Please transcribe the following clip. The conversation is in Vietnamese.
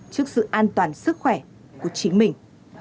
trước sự an toàn sức khỏe của chính mình